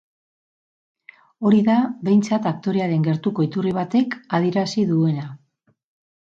Hori da behintzat aktorearen gertuko iturri batek adierazi duena.